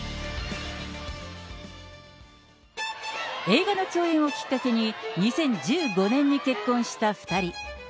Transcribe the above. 映画の共演をきっかけに、２０１５年に結婚した２人。